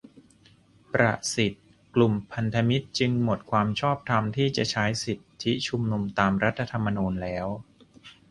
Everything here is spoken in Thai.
ประสิทธิ์ :"กลุ่มพันธมิตรจึงหมดความชอบธรรมที่จะใช้สิทธิชุมนุมตามรัฐธรรมนูญแล้ว"